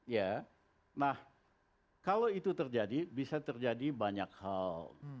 ya nah kalau itu terjadi bisa terjadi banyak hal